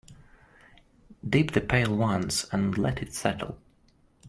Dip the pail once and let it settle.